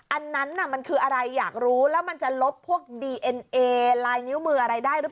อันนั้นน่ะมันคืออะไรอยากรู้แล้วมันจะลบพวกดีเอ็นเองเลิกทรอป